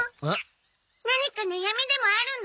何か悩みでもあるの？